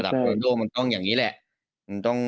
ระดับนี้พี่ว่านะใช่ใช่ระดับมันต้องอย่างนี้แหละมันต้อง